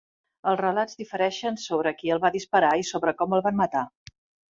Els relats difereixen sobre qui el va disparar i sobre com el van matar.